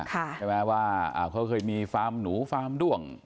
ใช่ไหมว่าเขาเคยมีฟาร์มหนูฟาร์มด้วง